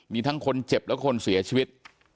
มีทั้งคนเจ็บและคนเสียชีวิต